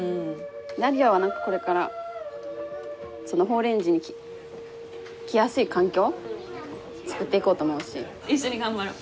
阿梨耶はなんかこれからその宝蓮寺に来やすい環境つくっていこうと思うし一緒に頑張ろう。